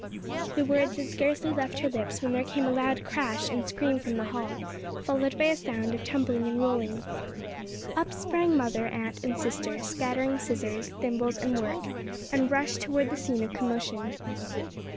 The words had scarcely left her lips when there came a loud crash and scream from the hall, followed by a sound of tumbling and rolling. Up sprang mother, aunt and sister, scattering scissors, thimbles and work, and rushed toward the scene of commotion.